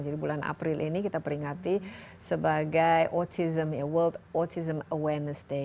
jadi bulan april ini kita peringati sebagai world autism awareness day